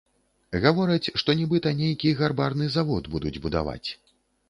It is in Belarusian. Гавораць, што нібыта нейкі гарбарны завод будуць будаваць.